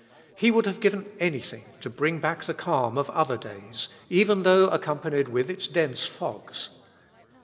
He would have given anything to bring back the calm of other days, even though accompanied with its dense fogs.